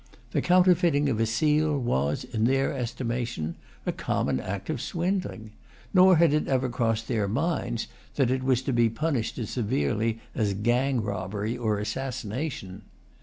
The counterfeiting of a seal was, in their estimation, a common act of swindling; nor had it ever crossed their minds that it was to be punished as severely as gang robbery or assassination.